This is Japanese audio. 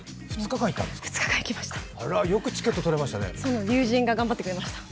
２日間、行きました。